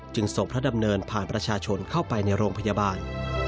ส่งพระดำเนินผ่านประชาชนเข้าไปในโรงพยาบาล